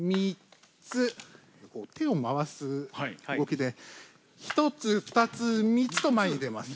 手を回す動きで１つ２つ３つと前に出ます。